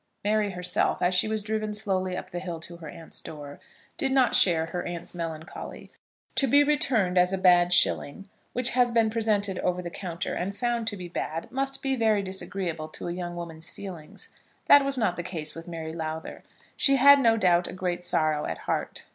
Mary herself, as she was driven slowly up the hill to her aunt's door, did not share her aunt's melancholy. To be returned as a bad shilling, which has been presented over the counter and found to be bad, must be very disagreeable to a young woman's feelings. That was not the case with Mary Lowther. She had, no doubt, a great sorrow at heart.